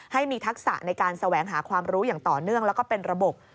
ให้มีทักษะในการแสวงหาความรู้อย่างต่อเนื่องแล้วก็เป็นระบบ